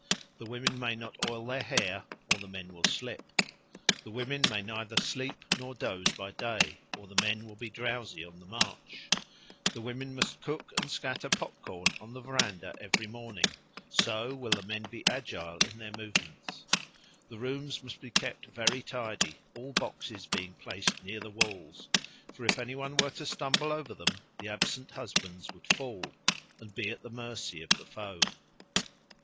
The women may not oil their hair, or the men will slip. The women may neither sleep nor doze by day, or the men will be drowsy on the march. The women must cook and scatter popcorn on the verandah every morning; so will the men be agile in their movements. The rooms must be kept very tidy, all boxes being placed near the walls; for if any one were to stumble over them, the absent husbands would fall and be at the mercy of the foe.